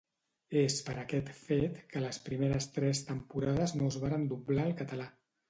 És per aquest fet, que les primeres tres temporades no es varen doblar al català.